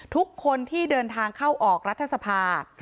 ทุกคนที่เดินทางเข้าออกรัฐสภา